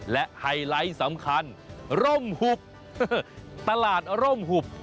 และไฮไลท์สำคัญร่มหุบตลาดร่มหุบ